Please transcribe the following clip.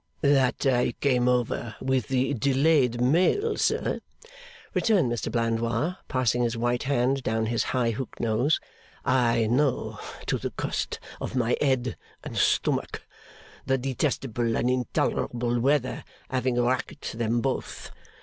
'That I came over with the delayed mail, sir,' returned Mr Blandois, passing his white hand down his high hooked nose, 'I know to the cost of my head and stomach: the detestable and intolerable weather having racked them both.